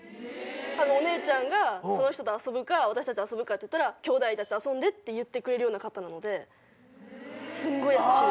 お姉ちゃんがその人と遊ぶか私たちと遊ぶかっていったら「きょうだいたちと遊んで」って言ってくれるような方なのですんごい優しいです。